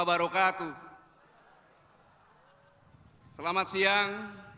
bapak wakil presiden